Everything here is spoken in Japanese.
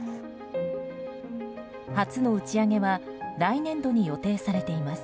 初の打ち上げは来年度に予定されています。